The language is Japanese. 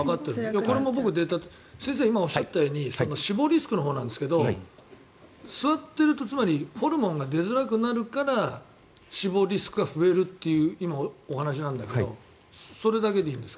これも僕、データ取って今、おっしゃったように死亡リスクのほうなんですが座っているとホルモンが出づらくなるから死亡リスクが増えるという今のお話なんだけどそれだけでいいんですか。